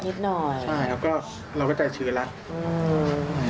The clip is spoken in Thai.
นิดหน่อยค่ะค่ะแล้วก็เราก็ใจชื้นแล้ว